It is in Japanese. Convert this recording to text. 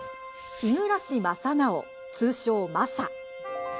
日暮正直、通称マサ。